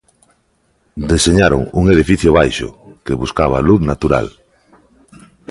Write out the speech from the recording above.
Deseñaron un edificio baixo, que buscaba a luz natural.